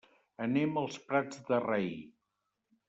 Anem als Prats de Rei.